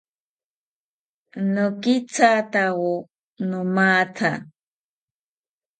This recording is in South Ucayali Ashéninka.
Nokithatakawo nomatha